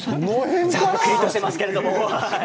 ざっくりとしていますけれども。